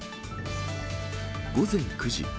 午前９時。